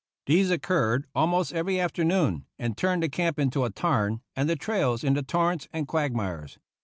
These occurred almost every afternoon, and turned the camp into a tarn, and the trails into torrents and quagmires.